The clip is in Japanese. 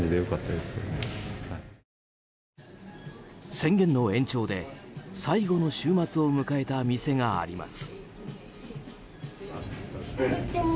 宣言の延長で最後の週末を迎えた店があります。